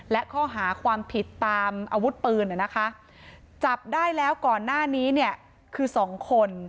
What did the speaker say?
และข้อหาความผิดตามอาวุธปืนนะคะจับได้แล้วก่อนหน้านี้เนี่ยคือสองคน